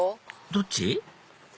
どっち？